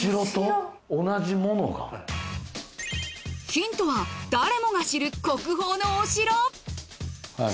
ヒントは誰もが知る国宝のお城ハハハ。